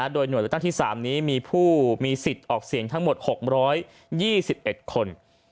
โดยหน่วยเลือกตั้งที่๓นี้มีผู้มีสิทธิ์ออกเสียงทั้งหมด๖๒๑คน